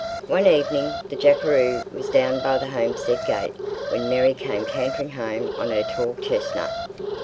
One evening the jackaroo was down by the homestead gate when Mary came cantering home on her tall chestnut.